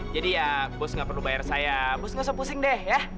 jadi ya bos nggak perlu bayar saya bos nggak usah pusing deh ya